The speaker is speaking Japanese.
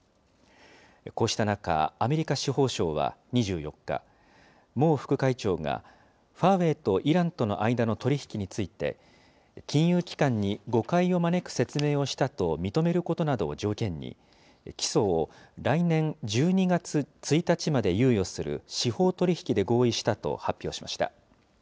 こうした中、アメリカ司法省は２４日、孟副会長がファーウェイとイランとの間の取り引きについて、金融機関に誤解を招く説明をしたと認めることなどを条件に、起訴を来年１２月１日まで猶予する司法取引で合意したと発表しました。